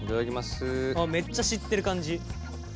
あっめっちゃ知ってる感じ。